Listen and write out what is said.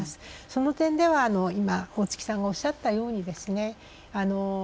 その点では、今、大槻さんがおっしゃったようにですね